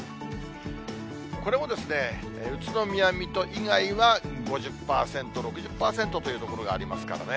これも宇都宮、水戸以外は５０％、６０％という所がありますからね。